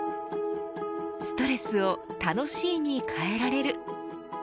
ストレスを楽しいに変えられる。